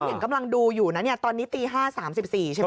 เห็นกำลังดูอยู่นะเนี่ยตอนนี้ตี๕๓๔ใช่ไหม